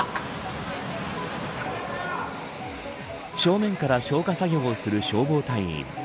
正面から消火作業をする消防隊員。